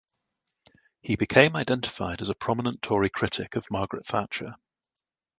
He became identified as a prominent Tory critic of Margaret Thatcher.